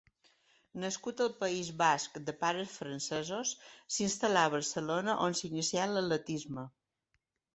Nascut al País Basc de pares francesos, s'instal·là a Barcelona, on s'inicià en l'atletisme.